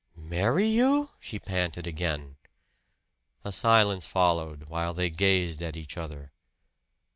"Marry you!" she panted again. A silence followed, while they gazed at each other.